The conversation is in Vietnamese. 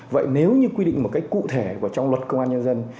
vậy nếu như quy định một cách cụ thể của trong luật công an nhân dân